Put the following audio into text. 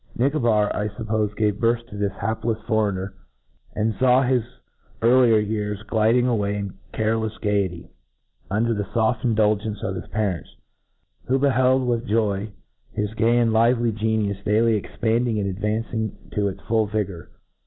Nicobar, I fup^ pofe, gave birth to this haplefs foreigner, and faw his earlier years gliding away in carelefs gayety, under the foft indulgence of parents, who beheld with joy his gay and Kvely geniufe daily expand ing and advancing to its full vigour.